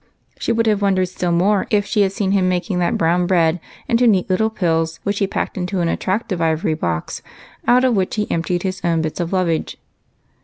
She would have wondered still more if she had seen him making that brown bread into neat little pills, which he packed into an attractive ivory box, out of which he emptied his own bits of lovage.